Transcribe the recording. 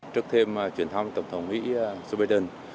trước thêm chuyển thăm tổng thống mỹ joe biden